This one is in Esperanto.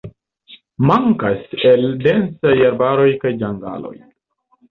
Mankas el densaj arbaroj kaj ĝangaloj.